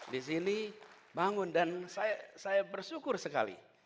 disini bangun dan saya bersyukur sekali